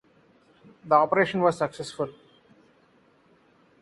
The operation was successful.